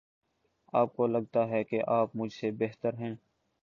آپ کو لگتا ہے کہ آپ مجھ سے بہتر ہیں۔